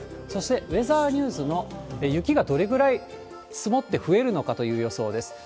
そしてウェザーニューズの、雪がどれくらい積もって増えるのかという予想です。